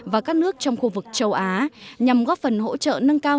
và các nước trong khu vực châu á nhằm góp phần hỗ trợ nâng cao